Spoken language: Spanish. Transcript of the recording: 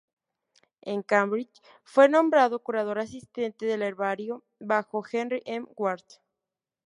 En Cambridge, fue nombrado Curador Asistente del Herbario bajo Harry M. Ward.